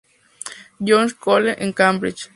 John’s College", en Cambridge.